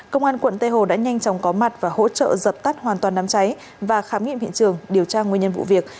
công an quận tây hồ đã nhanh chóng có mặt và hỗ trợ dập tắt hoàn toàn đám cháy và khám nghiệm hiện trường điều tra nguyên nhân vụ việc